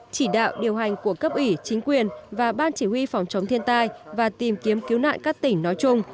chỉ đạo điều hành của cấp ủy chính quyền và ban chỉ huy phòng chống thiên tai và tìm kiếm cứu nạn các tỉnh nói chung